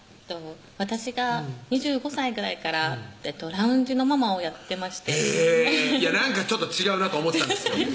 私が２５歳ぐらいからラウンジのママをやってましてへぇなんかちょっと違うなと思ってたんですよ